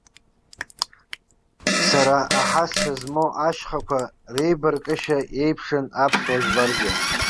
Сара аҳас сызмоу ашьхақәа реибаркышьа иеиԥшын аԥсуа жәларгьы.